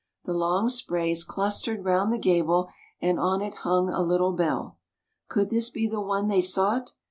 The long sprays clustered round the gable, and on it hung a little bell. Could this be the one they sought?